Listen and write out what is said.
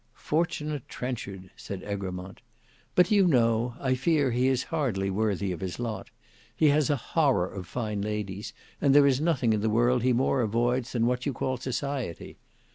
"Fortunate Trenchard!" said Egremont. "But do you know I fear he is hardly worthy of his lot. He has a horror of fine ladies; and there is nothing in the world he more avoids than what you call society.